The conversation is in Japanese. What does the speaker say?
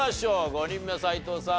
５人目斎藤さん